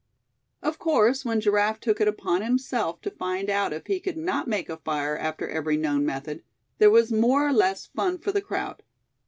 Of course, when Giraffe took it upon himself to find out if he could not make a fire after every known method, there was more or less fun for the crowd.